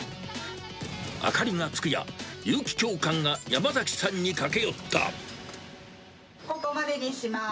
明かりがつくや、ここまでにします。